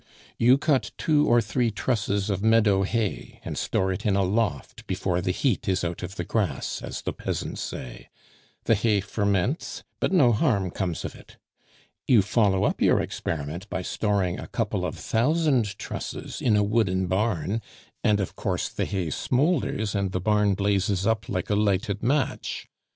"You cut two or three trusses of meadow hay, and store it in a loft before 'the heat is out of the grass,' as the peasants say; the hay ferments, but no harm comes of it. You follow up your experiment by storing a couple of thousand trusses in a wooden barn and, of course, the hay smoulders, and the barn blazes up like a lighted match.